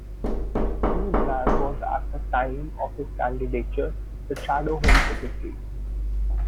Tony Blair was, at the time of his candidature, the Shadow Home Secretary.